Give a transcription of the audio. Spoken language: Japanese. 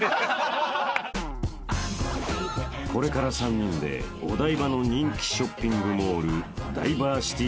［これから３人でお台場の人気ショッピングモールダイバーシティ